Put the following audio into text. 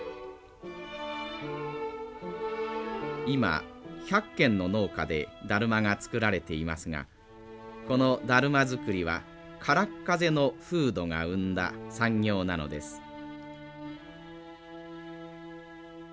今１００軒の農家でだるまが作られていますがこのだるま作りはからっ風の風土が生んだ産業なのです。